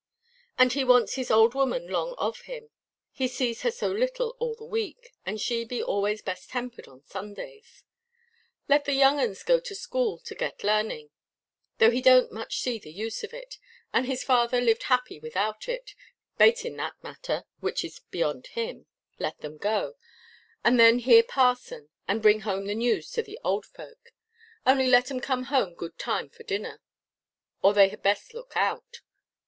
And he wants his old woman 'long of him; he see her so little all the week, and she be always best–tempered on Sundays. Let the young uns go to school to get larning—though he donʼt much see the use of it, and his father lived happy without it—'bating that matter, which is beyond him, let them go, and then hear parson, and bring home the news to the old folk. Only let 'em come home good time for dinner, or they had best look out.